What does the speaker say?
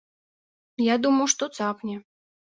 Я думаў, што цапне.